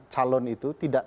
calon itu tidak